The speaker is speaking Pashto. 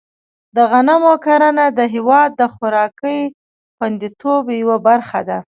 د غنمو کرنه د هېواد د خوراکي خوندیتوب یوه برخه ده.